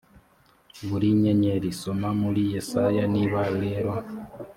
buri nyenyeri soma muri yesaya niba rero